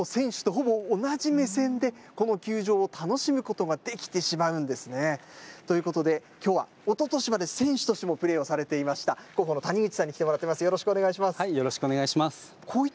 選手と、ほぼ同じ目線でこの球場を楽しむことができてしまうんですね。ということで、きょうはおととしまで選手としてもプレーをされていました広報の谷口さんに来てもらっています。